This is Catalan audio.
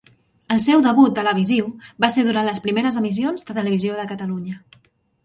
El seu debut televisiu va ser durant les primeres emissions de Televisió de Catalunya.